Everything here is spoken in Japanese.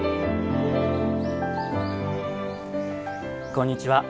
こんにちは。